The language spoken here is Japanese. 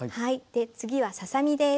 次はささ身です。